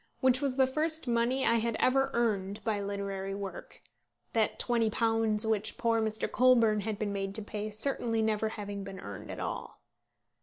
which was the first money I had ever earned by literary work; that £20 which poor Mr. Colburn had been made to pay certainly never having been earned at all.